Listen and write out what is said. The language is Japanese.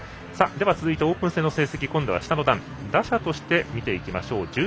続いてオープン戦の成績今度は下の段打者として見ていきましょう。